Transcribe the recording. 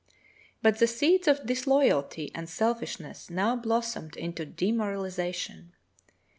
But the seeds of disloyalty and selfishness now blossomed into demoralization.